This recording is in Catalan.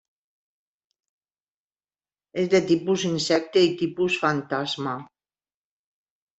És de tipus insecte i tipus fantasma.